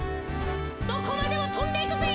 どこまでもとんでいくぜ。